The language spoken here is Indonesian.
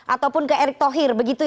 ataupun ke erick thohir begitu